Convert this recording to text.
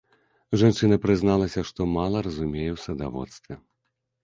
Жанчына прызналася, што мала разумее ў садаводстве.